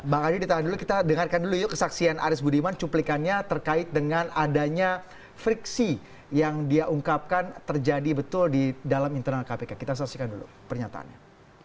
bang adi ditahan dulu kita dengarkan dulu yuk kesaksian aris budiman cuplikannya terkait dengan adanya friksi yang dia ungkapkan terjadi betul di dalam internal kpk kita saksikan dulu pernyataannya